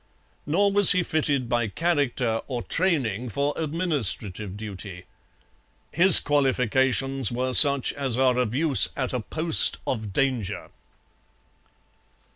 Nor was he fitted by character or training for administrative duty. His qualifications were such as are of use at a post of danger.